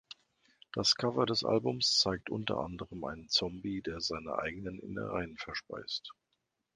Das Cover des Albums zeigt unter anderem einen Zombie, der seine eigenen Innereien verspeist.